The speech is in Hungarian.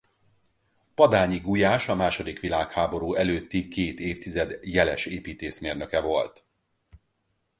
Padányi Gulyás a második világháború előtti két évtized jeles építészmérnöke volt.